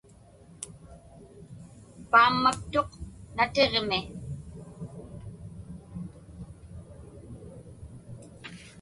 Paammaktuq natiġmi.